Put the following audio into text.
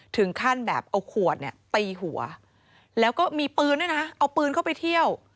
ถึงขั้นแบบเอาขวดเนี่ยตีหัวแล้วก็มีปืนด้วยนะเอาปืนเข้าไปเที่ยว